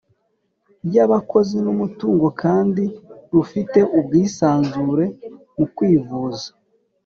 y abakozi n umutungo kandi rufite ubwisanzure mukwivuza